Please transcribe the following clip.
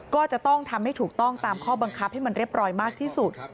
ก็จะต้องทำให้ถูกต้องตามข้อบังคับให้มันเรียบร้อยมากที่สุด